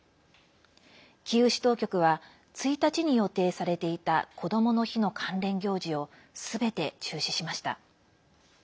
キーウ市当局は１日に予定されていたこどもの日の関連行事をすべて中止しました。